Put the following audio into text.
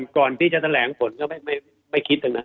ก่อนที่จะแถลงผลก็ไม่คิดเลยนะ